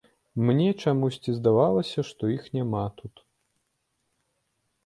Мне чамусьці здавалася, што іх няма тут.